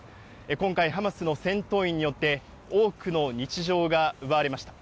今回、ハマスの戦闘員によって、多くの日常が奪われました。